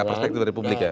perspektif dari publik ya